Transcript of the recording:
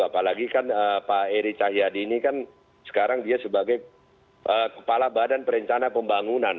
apalagi kan pak eri cahyadi ini kan sekarang dia sebagai kepala badan perencana pembangunan